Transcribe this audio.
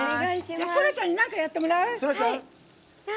そらちゃんになんかやってもらう？